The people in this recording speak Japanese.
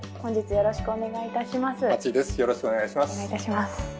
よろしくお願いします。